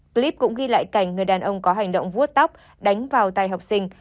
clip cũng ghi lại cảnh người đàn ông có hành động vuốt tóc đánh vào tay học sinh